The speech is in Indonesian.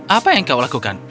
apa yang kau lakukan